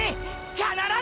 必ず！！